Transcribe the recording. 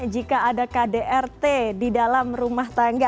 jika ada kdrt di dalam rumah tangga